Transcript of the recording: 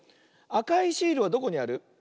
あかいシールはどこにある？